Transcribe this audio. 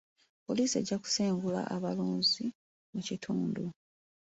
Poliisi ejja kusengula abalunzi mu kitundu.